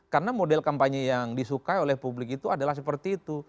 karena model kampanye yang disukai oleh publik itu adalah seperti itu